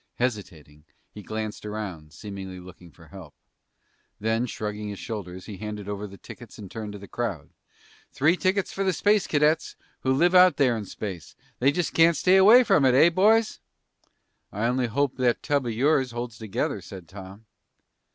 Hesitating, he glanced around, seemingly looking for help. Then, shrugging his shoulders, he handed over the tickets and turned to the crowd. "Three tickets for the Space Cadets, who live out there in space. Just can't stay away from it, eh, boys?" "I only hope that tub of yours holds together," said Tom.